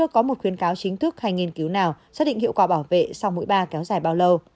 có một khuyên cáo chính thức hay nghiên cứu nào xác định hiệu quả bảo vệ sau mũi ba kéo dài bao lâu